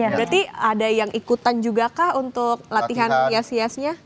berarti ada yang ikutan juga kah untuk latihan hias hiasnya